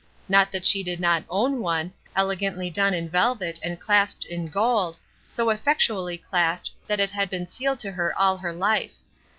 Not that she did not own one, elegantly done in velvet and clasped in gold, so effectually clasped that it had been sealed to her all her life.